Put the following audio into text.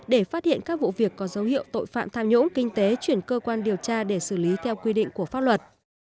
để phát hiện các vụ việc có dấu hiệu tội phạm tham nhũng kinh tế chuyển cơ quan điều tra để xử lý theo quy định của pháp luật